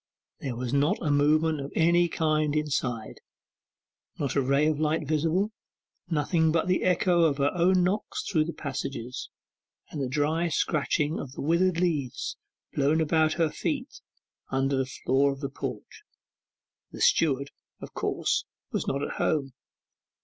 There was not a movement of any kind inside, not a ray of light visible; nothing but the echo of her own knocks through the passages, and the dry scratching of the withered leaves blown about her feet upon the floor of the porch. The steward, of course, was not at home.